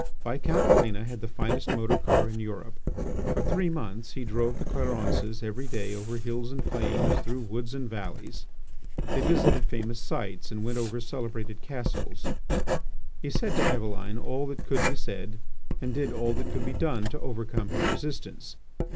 Viscount Cléna had the finest motor car in Europe. For three months he drove the Clarences every day over hills and plains, through woods and valleys; they visited famous sites and went over celebrated castles. He said to Eveline all that could be said and did all that could be done to overcome her resistance.